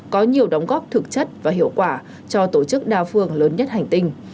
có nhiều đóng góp thực chất và hiệu quả cho tổ chức đa phương lớn nhất hành tinh